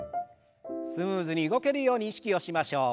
スムーズに動けるように意識をしましょう。